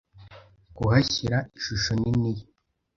kuhashyira ishusho nini ye